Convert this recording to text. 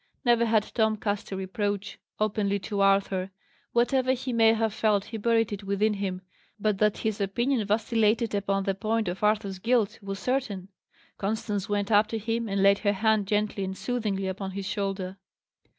Never had Tom cast a reproach openly to Arthur; whatever he may have felt he buried it within himself; but that his opinion vacillated upon the point of Arthur's guilt, was certain. Constance went up to him and laid her hand gently and soothingly upon his shoulder.